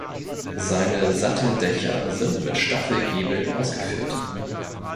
Seine Satteldächer sind mit Staffelgiebeln ausgeführt.